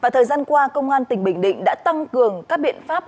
thời gian qua công an tỉnh bình định đã tăng cường các biện pháp